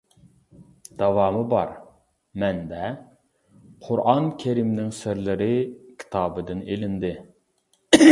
داۋامى بار. مەنبە: «قۇرئان كەرىمنىڭ سىرلىرى» كىتابىدىن ئېلىندى.